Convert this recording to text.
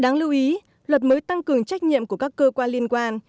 đáng lưu ý luật mới tăng cường trách nhiệm của các cơ quan liên quan